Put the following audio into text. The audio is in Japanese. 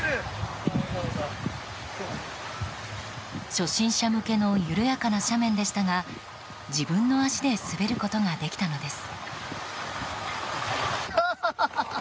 初心者向けの緩やかな斜面でしたが自分の足で滑ることができたのです。